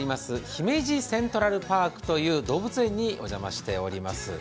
姫路セントラルパークという動物園にお邪魔しております。